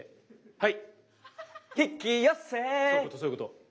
はい。